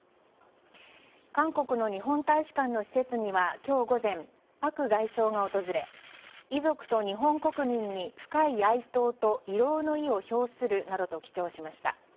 韓国の日本大使館の施設には今日午前パク外相が訪れ遺族と日本国民に深い哀悼と慰労の意を表するなどと記帳しました。